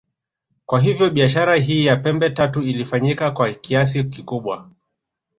Kwa hiyo biashara hii ya pembe tatu ilifanyika kwa kiasi kikubwa